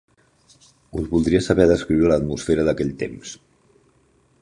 Us voldria saber descriure l'atmosfera d'aquell temps